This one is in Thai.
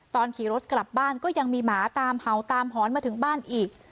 ขี่รถกลับบ้านก็ยังมีหมาตามเห่าตามหอนมาถึงบ้านอีก